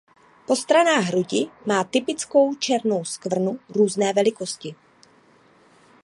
Po stranách hrudi má typickou černou skvrnu různé velikosti.